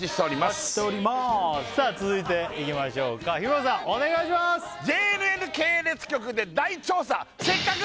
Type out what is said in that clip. お待ちしておりますさあ続いていきましょうか日村さんお願いしますよいしょ！